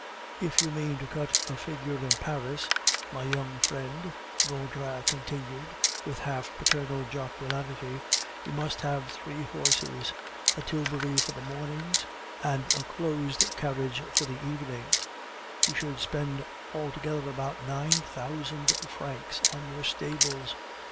If you mean to cut a figure in Paris, my young friend," Vautrin continued, with half paternal jocularity, "you must have three horses, a tilbury for the mornings, and a closed carriage for the evening; you should spend altogether about nine thousand francs on your stables.